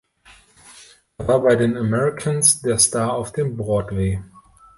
Er war bei den Americans der Star auf dem Broadway.